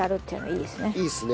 いいですね。